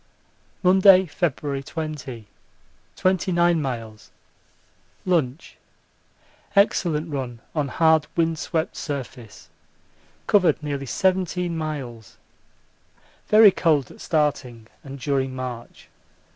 Monday, February 20. 29 miles. Lunch. Excellent run on hard wind swept surface covered nearly seventeen miles. Very cold at starting and during march.